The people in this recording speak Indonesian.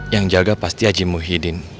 yang jaga pasti haji muhyiddin